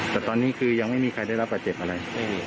แต่ตอนนี้คือยังไม่มีใครได้รับบาดเจ็บอะไร